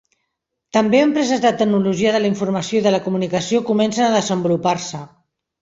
També empreses de tecnologia de la informació i de la comunicació comencen a desenvolupar-se.